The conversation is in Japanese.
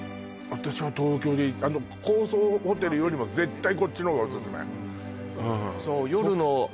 私は東京で高層ホテルよりも絶対こっちの方がオススメそう